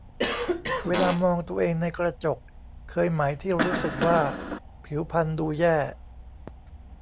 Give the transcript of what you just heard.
เวลามองตัวเองในกระจก เคยไหมที่รู้สึกว่าผิวพรรณดูแย่